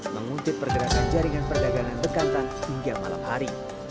mengutip pergerakan jaringan perdagangan bekantan hingga malam hari